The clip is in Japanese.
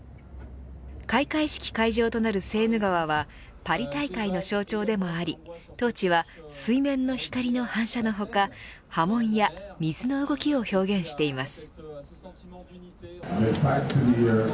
開会式会場となるセーヌ川はパリ大会の象徴でもありトーチは水面の光の反射の他波紋や水の動きを表現しています。